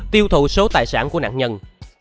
tiêu thụ số tài sản của nạn nhân